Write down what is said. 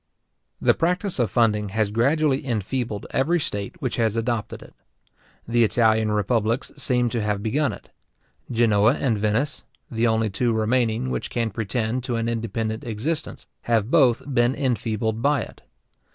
The practice of funding has gradually enfeebled every state which has adopted it. The Italian republics seem to have begun it. Genoa and Venice, the only two remaining which can pretend to an independent existence, have both been enfeebled by it.